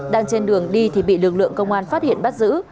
đang trên đường đi thì bị lực lượng công an phát hiện bắt giữ